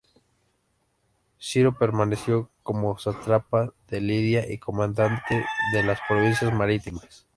Ciro permaneció como sátrapa de Lidia, y comandante de las provincias marítimas.